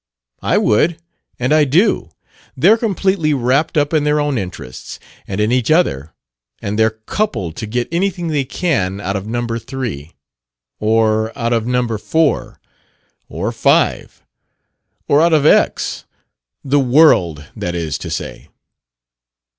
"I would. And I do. They're completely wrapped up in their own interests, and in each other; and they're coupled to get anything they can out of Number Three. Or out of Number Four. Or Five. Or out of X, the world, that is to say."